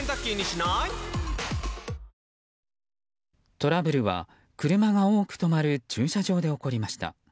トラブルは車が多く止まる駐車場で起こりました。